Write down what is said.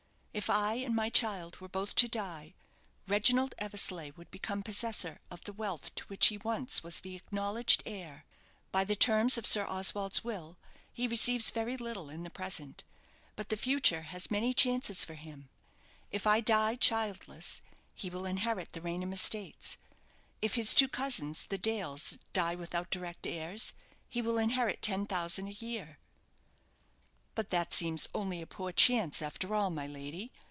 If I and my child were both to die, Reginald Eversleigh would become possessor of the wealth to which he once was the acknowledged heir. By the terms of Sir Oswald's will, he receives very little in the present, but the future has many chances for him. If I die childless, he will inherit the Raynham estates. If his two cousins, the Dales, die without direct heirs, he will inherit ten thousand a year." "But that seems only a poor chance after all, my lady.